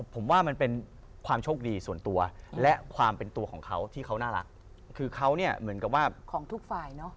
ผมว่ามันเป็นความโชคดีส่วนตัวและความเป็นตัวของเขาที่เขาน่ารักคือเขาเนี่ยเหมือนกับว่าของทุกฝ่ายเนอะ